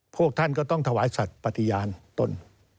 พวกท่านก็ต้องถวายสัตว์ปฏิญาณตน